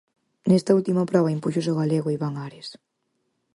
Nesta última proba impúxose o galego Iván Ares.